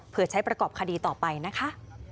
เพื่อใช้ประกอบคดีต่อไปนะคะ